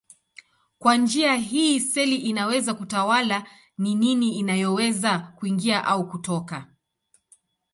Kwa njia hii seli inaweza kutawala ni nini inayoweza kuingia au kutoka.